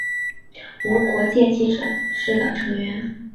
无国界记者是的成员。